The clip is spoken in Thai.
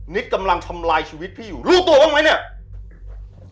นิทย์กำลังซำรายชีวิตพี่อยู่รู้ตัวบ้างมั้ยเนี่ย